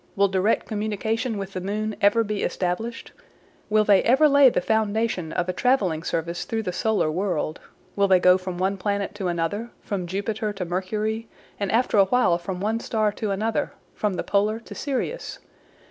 Will direct communication with the moon ever be established? Will they ever lay the foundation of a traveling service through the solar world? Will they go from one planet to another, from Jupiter to Mercury, and after awhile from one star to another, from the Polar to Sirius?